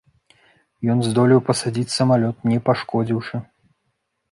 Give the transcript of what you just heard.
Ён здолеў пасадзіць самалёт не пашкодзіўшы.